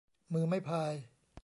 มือไม่พาย